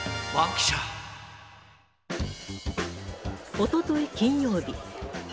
おととい金曜日。